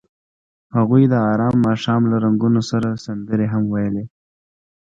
هغوی د آرام ماښام له رنګونو سره سندرې هم ویلې.